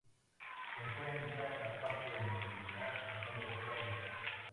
Se encuentra en la parte meridional central de Nueva Guinea.